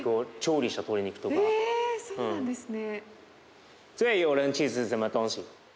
そうなんですね。